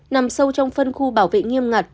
nằm sâu trong phân khu bảo vệ nghiêm ngặt